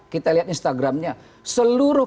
kita lihat instagramnya seluruh